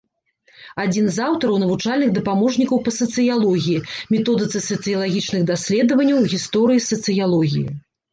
Адзін з аўтараў навучальных дапаможнікаў па сацыялогіі, методыцы сацыялагічных даследаванняў, гісторыі сацыялогіі.